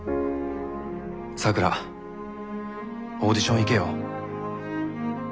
咲良オーディション行けよ。